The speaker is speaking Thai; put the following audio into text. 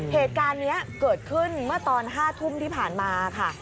เหตุการณ์นี้เกิดขึ้นเมื่อตอน๕ทุ่มที่ผ่านมาค่ะ